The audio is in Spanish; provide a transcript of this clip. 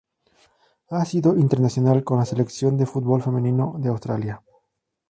Ha sido internacional con la Selección de fútbol femenino de Australia.